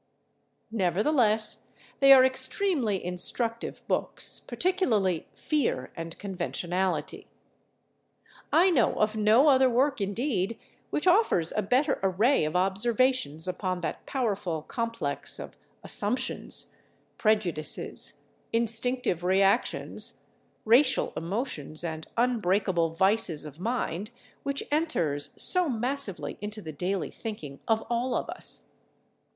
Nevertheless, they are extremely instructive books, particularly "Fear and Conventionality." I know of no other work, indeed, which offers a better array of observations upon that powerful complex of assumptions, prejudices, instinctive reactions, racial emotions and unbreakable vices of mind which enters so massively into the daily thinking of all of us.